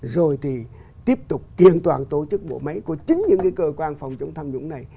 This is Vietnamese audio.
rồi thì tiếp tục kiện toàn tổ chức bộ máy của chính những cái cơ quan phòng chống tham nhũng này